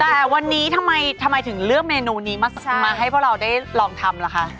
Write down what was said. แต่วันนี้ทำไมถึงเลือกเมนูนี้มาให้พวกเราได้ลองทำล่ะคะ